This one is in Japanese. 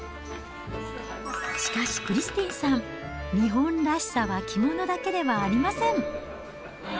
しかし、クリスティンさん、日本らしさは着物だけではありません。